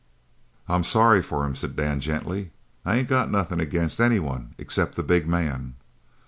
"I'm sorry for 'em," said Dan gently. "I ain't got nothin' agin any one except the big man."